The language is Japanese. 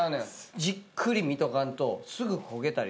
じっくり見とかんとすぐ焦げたりとか。